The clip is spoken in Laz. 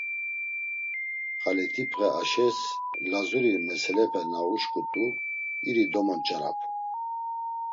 Xalit̆ipxe Ayşes Lazuri meselepe na uşǩut̆u, iri domonç̌arapu.